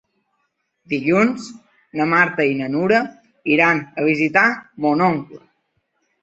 Dilluns na Marta i na Nura iran a visitar mon oncle.